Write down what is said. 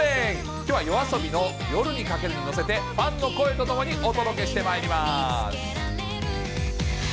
きょうはＹＯＡＳＯＢＩの夜に駆けるに乗せて、ファンの声とともにお届けしてまいります。